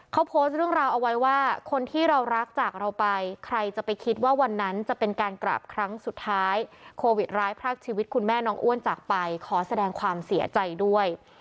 เขาโพสต์เรื่องราวเอาไว้ว่าคนที่เรารักจากเราไปใครจะไปคิดว่าวันนั้นจะเป็นการกราบครั้งสุดท้ายโควิดร้ายพรากชีวิตคุณแม่น้องอ้วนจากไปขอแสดงความเสียใจด้วย